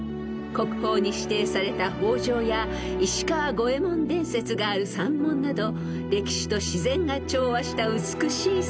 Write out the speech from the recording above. ［国宝に指定された方丈や石川五右衛門伝説がある三門など歴史と自然が調和した美しい姿が今に残されています］